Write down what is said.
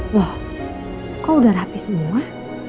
loh kau udah rapi semua